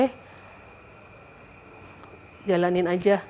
jalanin aja operasi ini supaya ke depannya juga quality of life saya lebih baik